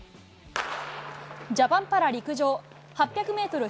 ジャパンパラ陸上、８００メートル